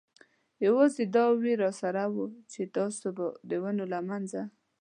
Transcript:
یوازې دا وېره را سره وه، چې اوس به د ونو له منځه.